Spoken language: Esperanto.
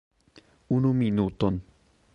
Unu minuton.